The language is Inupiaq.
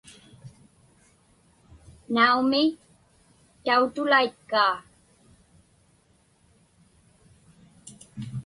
Naumi, tautulaitkaa.